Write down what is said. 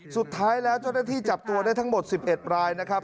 สุดท้ายแล้วเจ้าหน้าที่จับตัวได้ทั้งหมด๑๑รายนะครับ